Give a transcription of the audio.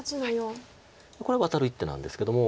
これはワタる一手なんですけども。